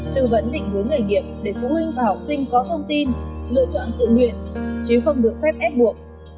tư vấn định hướng nghề nghiệp để phụ huynh và học sinh có thông tin lựa chọn tự nguyện chứ không được phép ép buộc